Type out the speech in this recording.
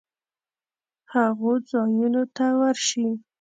هغو ځایونو ته ورشي